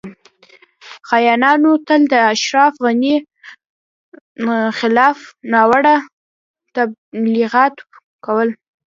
خاینانو تل د اشرف غنی خلاف ناوړه تبلیغات کول